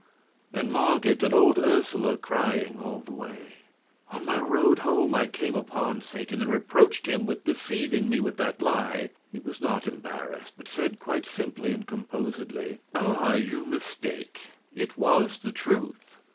And Marget, and old Ursula crying all the way. On my road home I came upon Satan, and reproached him with deceiving me with that lie. He was not embarrassed, but said, quite simply and composedly: "Ah, you mistake; it was the truth.